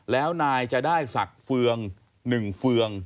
แล้วนายจะได้ศักดิ์เฟือง๑เฟือง